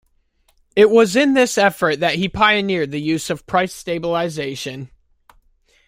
It was in this effort that he pioneered the use of price stabilization.